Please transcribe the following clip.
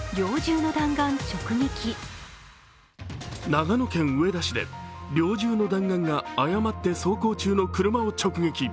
長野県上田市で猟銃の弾丸が誤って走行中の車を直撃。